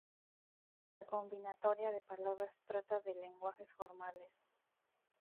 La combinatoria de palabras trata de lenguajes formales.